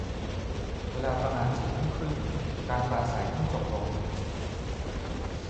เวลาประมาณสี่ทุ่มครึ่ง การปราศรัยเพิ่งจบลง